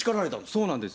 そうなんです。